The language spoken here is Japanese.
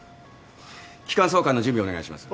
気管挿管の準備お願いします。